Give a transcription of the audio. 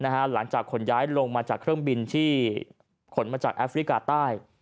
หลังจากขนย้ายลงมาจากเครื่องบินที่ขนมาจากแอฟริกาใต้